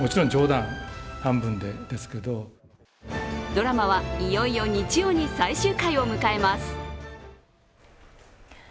ドラマは、いよいよ日曜に最終回を迎えます。